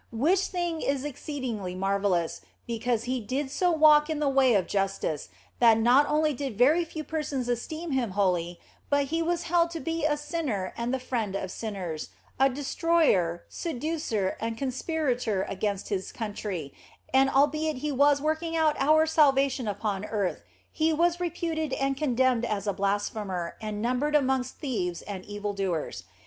Which thing is exceeding marvellous, because He did so walk in the way of justice that not only did very few persons esteem Him holy, but He was held to be a sinner and the friend of sinners, a destroyer, seducer, and conspirator against His country, and albeit He was working out our salvation upon earth, He was reputed and condemned as a blasphemer and numbered amongst thieves and evil doers.